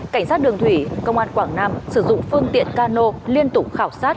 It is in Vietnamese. cảnh sát đường thủy công an quảng nam sử dụng phương tiện cano liên tục khảo sát